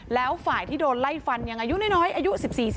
แล้วฝ่ายที่โดนไล่ฟันยังอายุน้อยอายุ๑๔